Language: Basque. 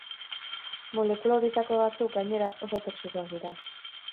Molekula horietako batzuk, gainera, oso toxikoak dira.